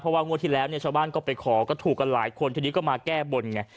เพราะว่างวดที่แล้วเนี่ยชาวบ้านก็ไปขอก็ถูกกันหลายคนทีนี้ก็มาแก้บนไง